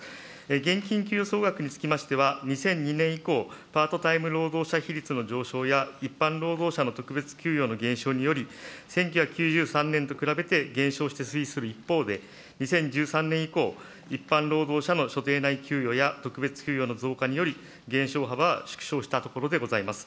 現金給与総額につきましては、２００２年以降、パートタイム労働者比率の上昇や、一般労働者の特別給与の減少により、１９９３年と比べて減少して推移する一方で、２０１３年以降、一般労働者の所定内給与や特別給与の増加により、減少幅は縮小したところでございます。